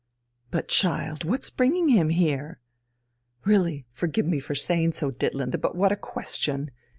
"But, child, what's bringing him here?" "Really, forgive me for saying so, Ditlinde, but what a question!